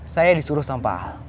saya disuruh sampah hal